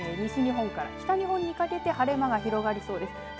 なので、あすは西日本から北日本にかけて晴れ間が広がりそうです。